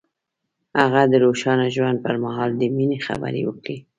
هغه د روښانه ژوند پر مهال د مینې خبرې وکړې.